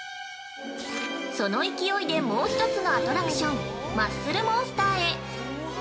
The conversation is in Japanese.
◆その勢いでもう一つのアトラクションマッスルモンスターへ！